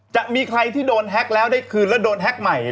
จะมีใครที่โดนแฮ็กแล้วได้คืนแล้วโดนแฮ็กใหม่